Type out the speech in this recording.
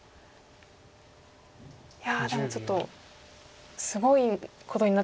いやでもちょっとすごいことになってますね。